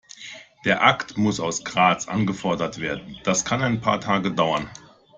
Der Akt muss aus Graz angefordert werden, das kann ein paar Tage dauern.